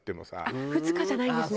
あっ２日じゃないんですね。